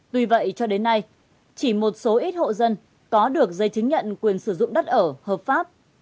tuy vậy cho đến nay chỉ một số ít hộ dân có được giấy chứng nhận quyền sử dụng đất ở hợp pháp